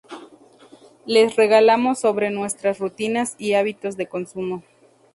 les regalamos sobre nuestras rutinas y hábitos de consumo